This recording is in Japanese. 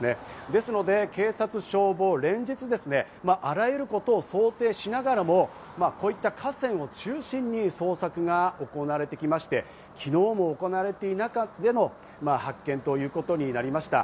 ですので警察、消防は連日あらゆることを想定しながらもこういった河川を中心に捜索が行われてきまして、昨日も行われた中での発見ということになりました。